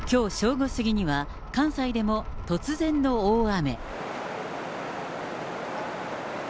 午過ぎには、関西でも突然の大雨。